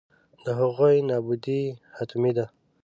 د هغوی نابودي حتمي ده.